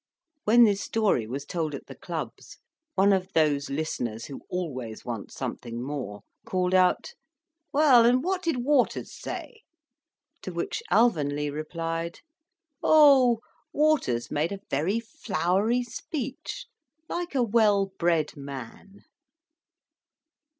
When this story was told at the clubs, one of those listeners, who always want something more, called out, "Well, and what did Waters say?" to which Alvanley replied "Oh, Waters made a very flowery speech, like a well bred man."